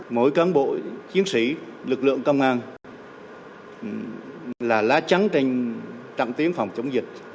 mỗi cán bộ chiến sĩ lực lượng công an là lá trắng trên chặng tiếng phòng chống dịch